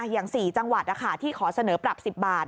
อย่าง๔จังหวัดที่ขอเสนอปรับ๑๐บาท